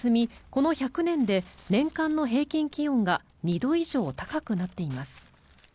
この１００年で年間の平均気温が２度以上高くなっています。